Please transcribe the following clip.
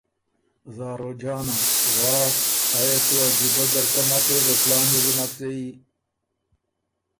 زاروجانه: واه آ يې تُو عجیبۀ ځرکۀ نکې که کُلان يې بو نک زېيي۔